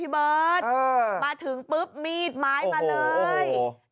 มาถึงปุ๊บมีดไม้มาเลย